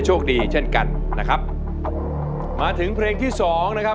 เช่นกันนะครับมาถึงเพลงที่สองนะครับ